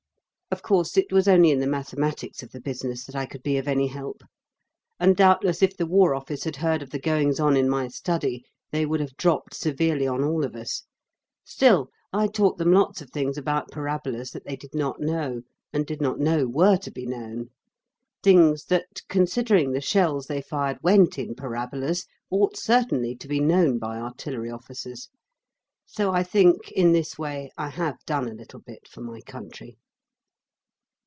Of course it was only in the mathematics of the business that I could be of any help, and doubtless if the War Office had heard of the goings on in my study, they would have dropped severely on all of us. Still, I taught them lots of things about parabolas that they did not know and did not know were to be known things that, considering the shells they fired went in parabolas, ought certainly to be known by artillery officers; so I think, in this way, I have done a little bit for my country.